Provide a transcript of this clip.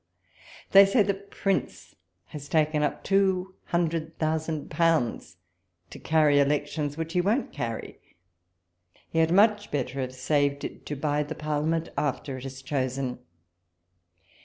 They say the Prince has taken up two hundred thousand pounds, to carry elections which he won't carry :— he had much better have saved it to buy the Parliament after it is chosen.